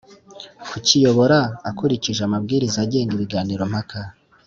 kukiyobora akurikije amabwiriza agenga ibiganiro mpaka.